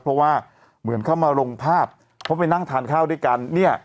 เพราะว่าเหมือนเข้ามาลงภาพเพราะไปนั่งทานข้าวด้วยกันเนี่ย